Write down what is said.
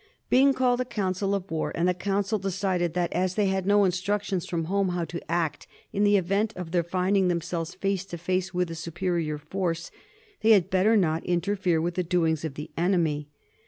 Byng called a council of war, and the council decided that, as they had no instructions from home how to act in the event of their finding themselves face to face with a superior force, they had better not in terfere with the doings of the enemy.